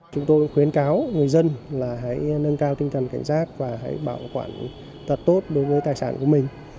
chúng tôi khuyến cáo người dân là hãy nâng cao tinh thần cảnh giác và hãy bảo quản thật tốt đối với tài sản của mình